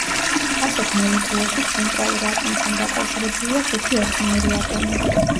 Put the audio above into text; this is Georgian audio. ასეთ მოლეკულაში ცენტრალურ ატომთან დაკავშირებულია ხუთი ერთნაირი ატომი.